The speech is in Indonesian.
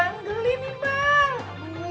bang geli nih bang